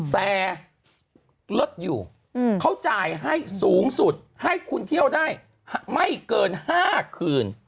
แต่ลดอยู่เขาจ่ายให้สูงสุดให้คุณเที่ยวได้ไม่เกิน๕คืน